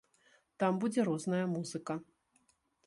Там будзе розная музыка.